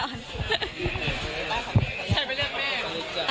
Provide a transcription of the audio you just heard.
ใช่ไม่เลือกแม่